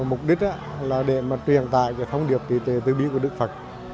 mục đích là để truyền tài thông điệp tự tế tư bí của đức phật